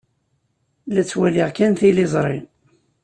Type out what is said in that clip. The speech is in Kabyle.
La ttwaliɣ kan tiliẓri.